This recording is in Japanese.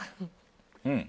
うん。